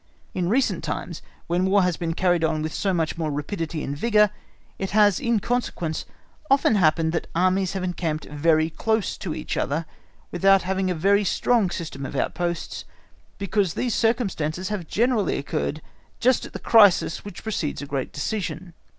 (*) October 14, 1758. In recent times, when War has been carried on with so much more rapidity and vigour, it has in consequence often happened that Armies have encamped very close to each other, without having a very strong system of outposts, because those circumstances have generally occurred just at the crisis which precedes a great decision.